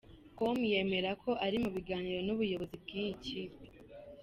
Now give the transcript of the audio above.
com yemera ko ari mu biganiro n’ubuyobozi bw’iyi kipe.